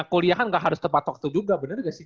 kuliah kan gak harus tepat waktu juga bener gak sih